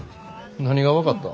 何が分かった？